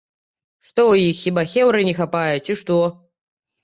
Што ў іх хіба хеўры не хапае, ці што?